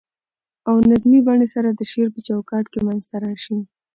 او نظمي بڼې سره د شعر په چو کاټ کي منځ ته راشي.